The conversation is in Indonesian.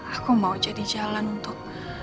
aku mau jadi jalan untuk